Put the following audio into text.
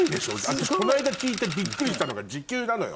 私この間聞いてびっくりしたのが時給なのよ。